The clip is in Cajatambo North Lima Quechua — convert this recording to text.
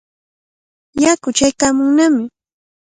Yaku chaykaamunnami.